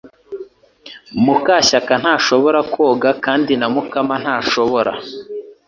Mukashyakantashobora koga kandi na Mukamana ntashobora